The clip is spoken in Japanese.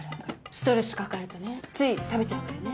ストレスかかるとねつい食べちゃうわよね。